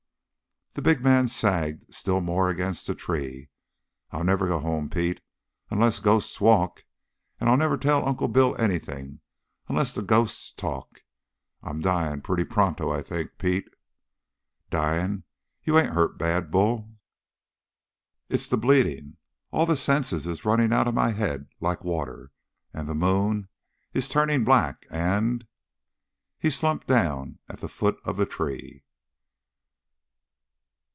The big man sagged still more against the tree. "I'll never go home, Pete, unless ghosts walk; and I'll never tell Uncle Bill anything, unless the ghosts talk. I'm dying pretty pronto, I think, Pete." "Dyin'? You ain't hurt bad, Bull!" "It's the bleeding; all the senses is running out of my head like water and the moon is turning black and " He slumped down at the foot of the tree.